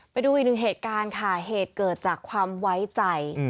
ไปดูอีกหนึ่งเหตุการณ์ค่ะเหตุเกิดจากความไว้ใจ